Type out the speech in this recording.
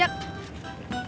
jat para pemain